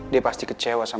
dia pasti kecewa sama